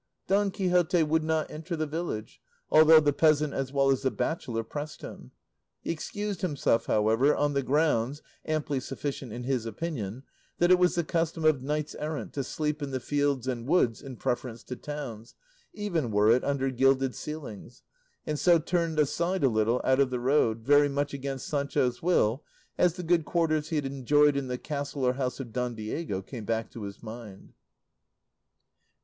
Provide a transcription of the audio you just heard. Don Quixote would not enter the village, although the peasant as well as the bachelor pressed him; he excused himself, however, on the grounds, amply sufficient in his opinion, that it was the custom of knights errant to sleep in the fields and woods in preference to towns, even were it under gilded ceilings; and so turned aside a little out of the road, very much against Sancho's will, as the good quarters he had enjoyed in the castle or house of Don Diego came back to his mind.